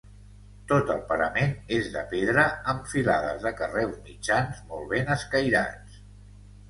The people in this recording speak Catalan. Tot el parament és de pedra amb filades de carreus mitjans molt ben escairats.